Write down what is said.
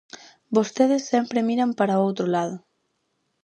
Vostedes sempre miran para outro lado.